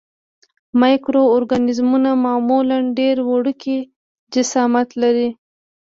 مایکرو ارګانیزمونه معمولاً ډېر وړوکی جسامت لري.